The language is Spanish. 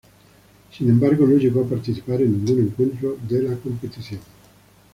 Sin embargo, no llegó a participar en ningún encuentro de la competición.